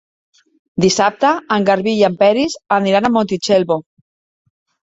Dissabte en Garbí i en Peris aniran a Montitxelvo.